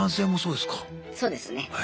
そうですね。